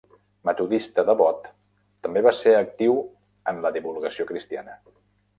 Metodista devot, també va ser actiu en la divulgació cristiana.